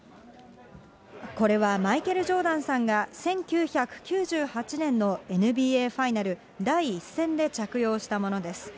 これはマイケル・ジョーダンさんが１９９８年のＮＢＡファイナル第１戦で着用したものです。